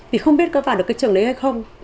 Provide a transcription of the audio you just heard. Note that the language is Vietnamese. vì không biết có vào được cái trường đấy hay không